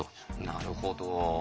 なるほど。